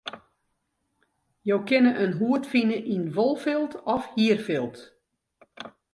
Jo kinne in hoed fine yn wolfilt of hierfilt.